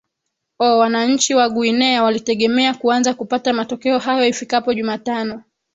o wananchi wa guinea walitegemea kuanza kupata matokeo hayo ifikapo jumatano